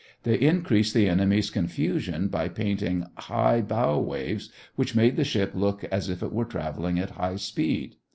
They increased the enemy's confusion by painting high bow waves which made the ship look as if it were traveling at high speed.